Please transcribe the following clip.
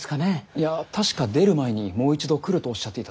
いや確か出る前にもう一度来るとおっしゃっていたぞ。